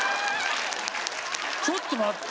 ちょっと待って。